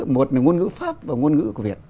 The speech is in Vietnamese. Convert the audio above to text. một là ngôn ngữ pháp và ngôn ngữ của việt